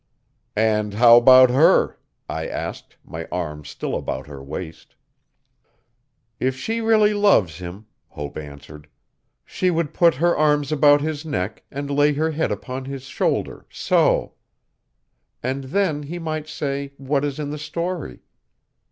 'And how about her?' I asked, my arm still about her waist. 'If she really loves him,' Hope answered, 'she would put her arms about his neck and lay her head upon his shoulder, so; and then he might say what is in the story.'